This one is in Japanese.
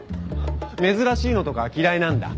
珍しいのとか嫌いなんだ。